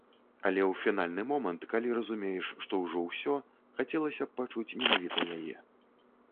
Але ў фінальны момант, калі разумееш, што ўжо ўсё, хацелася б пачуць менавіта яе.